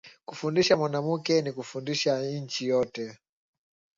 Kufundisha mwanamuke ni kufundisha inchi yote